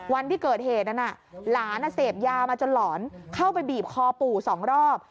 วันที่เกิดเหตุนั้นหลานเสพยามาจนหลอนเข้าไปบีบคอปู่สองรอบ